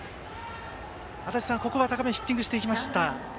足達さん、ここは高めにヒッティングしていきました。